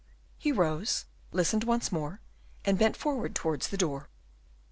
He rose, listened once more, and bent forward towards the door.